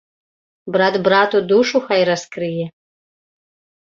Брат брату душу хай раскрые.